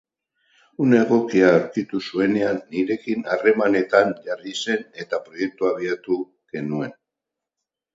Une egokia aurkitu zuenean, nirekin harremanetan jarri zen eta proiektua abiatu genuen.